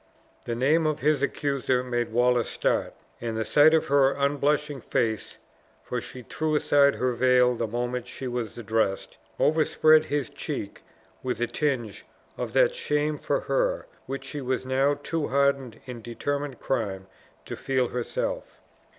The name of his accuser made Wallace start; and the sight of her unblushing face, for she threw aside her veil the moment she was addressed, overspread his cheek with a tinge of that shame for her which she was now too hardened in determined crime to feel herself.